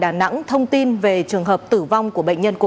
đã ghi nhận thông tin về trường hợp tử vụ